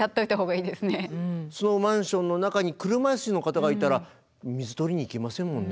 そのマンションの中に車いすの方がいたら水取りに行けませんもんね。